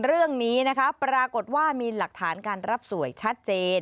เรื่องนี้นะคะปรากฏว่ามีหลักฐานการรับสวยชัดเจน